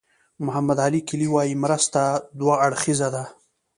محمد علي کلي وایي مرسته دوه اړخیزه ده.